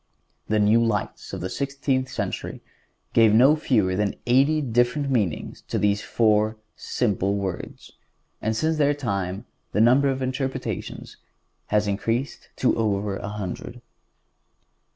The new lights of the sixteenth century gave no fewer than eighty different meanings to these four simple words, and since their time the number of interpretations has increased to over a hundred.